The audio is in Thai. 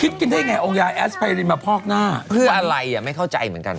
คิดกันได้ไงองค์ยายแอสไพรินมาพอกหน้าเพื่ออะไรอ่ะไม่เข้าใจเหมือนกัน